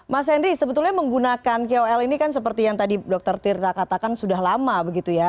mas henry sebetulnya menggunakan kol ini kan seperti yang tadi dr tirta katakan sudah lama begitu ya